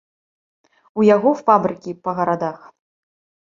У яго фабрыкі па гарадах.